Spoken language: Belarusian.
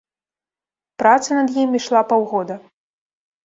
Праца над ім ішла паўгода.